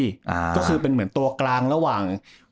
ก็คือเป็นตัวกลางระหว่าง